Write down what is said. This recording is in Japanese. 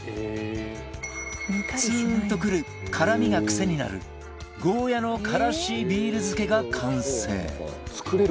ツーンとくる辛みが癖になるゴーヤーのからしビール漬けが完成